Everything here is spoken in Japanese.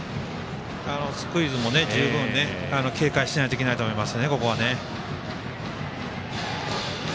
スクイズも十分警戒しないといけないと思います。